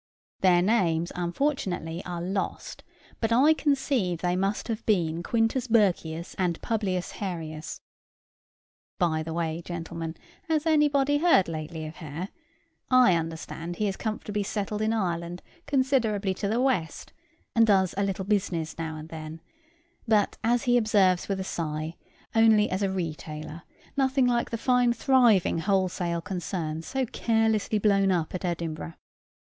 Their names unfortunately are lost; but I conceive they must have been Quintus Burkius and Publius Harius. By the way, gentlemen, has anybody heard lately of Hare? I understand he is comfortably settled in Ireland, considerably to the west, and does a little business now and then; but, as he observes with a sigh, only as a retailer nothing like the fine thriving wholesale concern so carelessly blown up at Edinburgh.